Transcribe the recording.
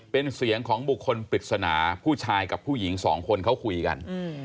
เป็นเสียงของบุคคลปริศนาผู้ชายกับผู้หญิงสองคนเขาคุยกัน